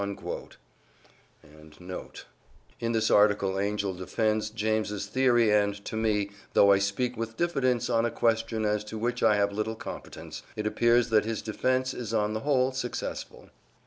"* In this article Angell defends James's theory and to me though I speak with diffidence on a question as to which I have little competence it appears that his defence is on the whole successful.